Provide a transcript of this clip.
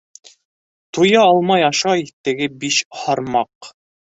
Туя алмай ашай теге биш һармаҡ.